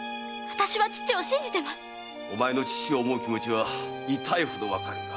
お前の父を想う気持ちは痛いほどわかるが。